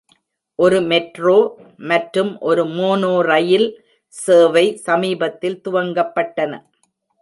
ஒரு மெட்ரோ மற்றும் ஒரு மோனோரயில் சேவை சமீபத்தில் துவங்கப்பட்டன.